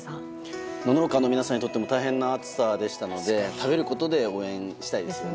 農家の皆さんにとっても大変な暑さでしたので食べることで応援したいですね。